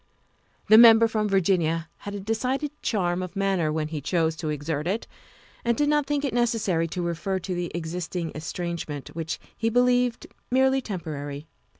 The Member from Virginia had a decided charm of manner when he chose to exert it, and did not think it necessary to refer to the existing estrangement, which he believed merely temporary.